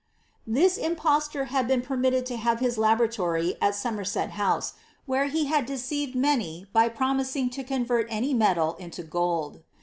This impostor had been per jiiitted to have his laboratory at Somerset house, where he had deceived many by promising to convert any metal into gold.